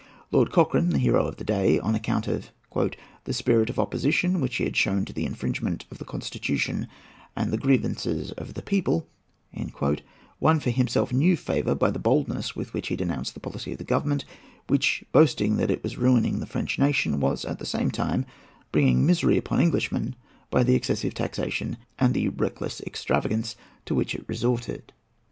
Lord Cochrane, the hero of the day, on account of "the spirit of opposition which he had shown to the infringement of the constitution and the grievances of the people," won for himself new favour by the boldness with which he denounced the policy of the Government, which, boasting that it was ruining the French nation, was at the same time bringing misery also upon Englishmen by the excessive taxation and the reckless extravagance to which it resorted.